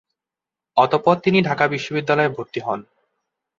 অতঃপর তিনি ঢাকা বিশ্ববিদ্যালয়ে ভর্তি হন।